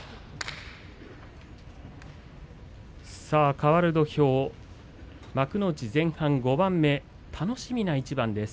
かわる土俵、幕内前半５番目楽しみな一番です。